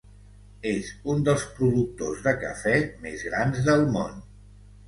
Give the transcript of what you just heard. És un dels productors de cafè més grans del món.